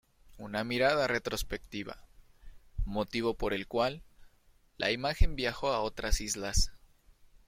Una mirada retrospectiva"", motivo por el cual, la imagen viajó a otras islas.